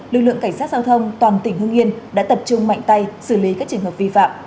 lực lượng cảnh sát giao thông toàn tỉnh hương yên đã tập trung mạnh tay xử lý các trường hợp vi phạm